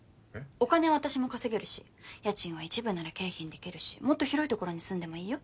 お金は私も稼げるし家賃は一部なら経費にできるしもっと広いところに住んでもいいよ。